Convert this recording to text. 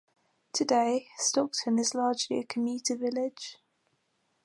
Today Stockton is largely a commuter village.